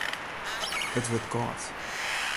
It wurdt kâld.